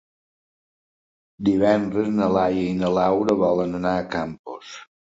Divendres na Laia i na Laura volen anar a Campos.